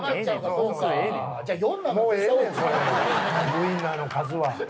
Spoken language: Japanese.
ウインナーの数は。